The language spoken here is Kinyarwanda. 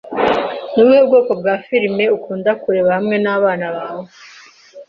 Ni ubuhe bwoko bwa firime ukunda kureba hamwe nabana bawe?